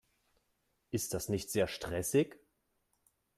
Ist das nicht sehr stressig?